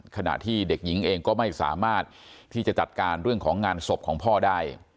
ขณะที่เด็กหญิงเองก็ไม่สามารถที่จะจัดการเรื่องของงานศพของพ่อได้